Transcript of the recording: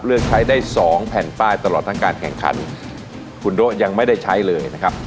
เลือกใช้ได้สองแผ่นป้ายตลอดทั้งการแข่งขันคุณโด๊ะยังไม่ได้ใช้เลยนะครับ